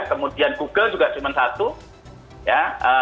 kemudian google juga cuma satu ya